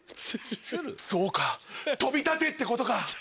そうか飛び立てってことか。